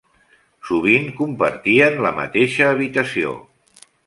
Sovint compartien la mateixa habitació.